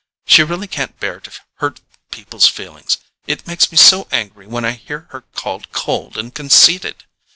She really can't bear to hurt people's feelings—it makes me so angry when I hear her called cold and conceited!